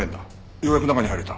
ようやく中に入れた。